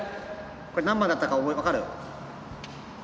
これ何番だったかわかる？